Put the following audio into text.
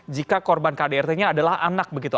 jika korban kdrt nya adalah anak begitu